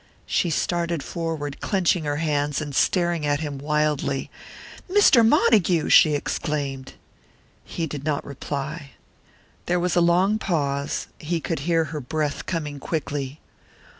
She started forward, clenching her hands and staring at him wildly. "Mr. Montague!" she exclaimed. He did not reply. There was a long pause. He could hear her breath coming quickly.